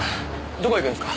どこ行くんですか？